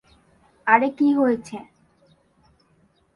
আরে কি হয়েছে?